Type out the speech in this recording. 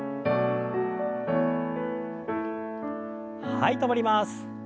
はい止まります。